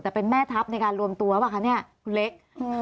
แต่เป็นแม่ทัพในการรวมตัวป่ะคะเนี่ยคุณเล็ก